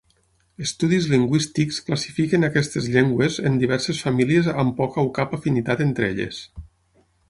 Estudis lingüístics classifiquen aquestes llengües en diverses famílies amb poca o cap afinitat entre elles.